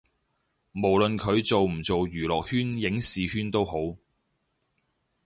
無論佢做唔做娛樂圈影視圈都好